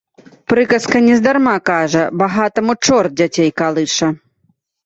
Прыказка нездарма кажа, багатаму чорт дзяцей калыша.